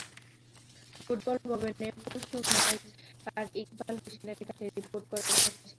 Football ভবনে পরশু manager Iqbal হোসেনের কাছে রিপোর্ট করার কথা ছিল সবার।